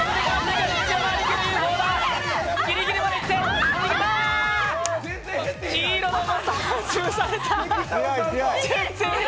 ギリギリまでぎって、ああ。